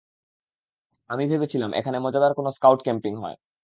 আমি ভেবেছিলাম, এখানে মজাদার কোনো স্কাউট ক্যাম্পিং হয়।